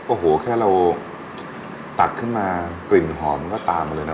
โอ้โหแค่เราตักขึ้นมากลิ่นหอมมันก็ตามมาเลยนะ